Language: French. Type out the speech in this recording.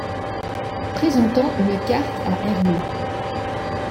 Présentant une carte à Herlaut.